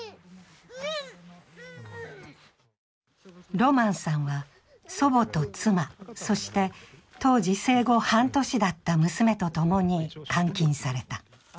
ロマンさんは、祖母と妻そして当時生後半年だった娘と共に監禁された。